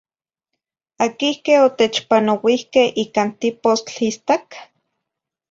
Aquihque otechpanouihque ican tipostl istac?